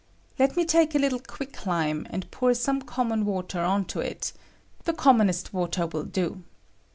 Let me take a little quick lime and pom some common water on to it — the commonest water will do.